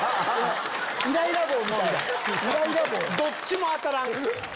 どっちも当たらん！